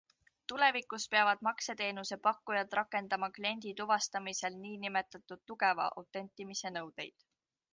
Tulevikus peavad makseteenuse pakkujad rakendama kliendi tuvastamisel niinimetatud tugeva autentimise nõudeid.